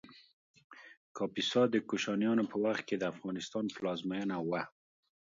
کاپیسا د کوشانیانو په وخت کې د افغانستان پلازمېنه وه